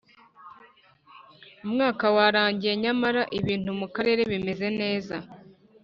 Umwaka warangiye nyamara ibintu mu karere bimeze neza